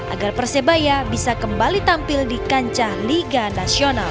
agar persebaya bisa kembali tampil di kancah liga nasional